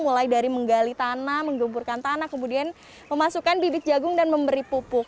mulai dari menggali tanah menggemburkan tanah kemudian memasukkan bibit jagung dan memberi pupuk